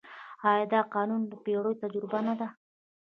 آیا دا قانون د پېړیو تجربه نه ده؟